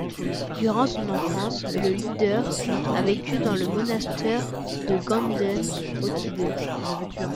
Durant son enfance, le Leader a vécu dans le monastère de Ganden, au Tibet.